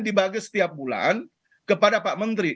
dibagi setiap bulan kepada pak menteri